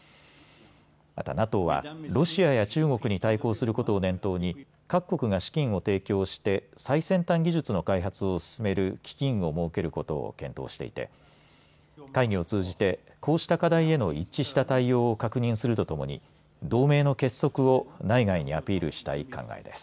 またＮＡＴＯはロシアや中国に対抗することを念頭に各国が資金を提供して最先端技術の開発を進める基金を設けることも検討していて会議を通じて、こうした課題への一致した対応を確認するとともに同盟の結束を内外にアピールしたい考えです。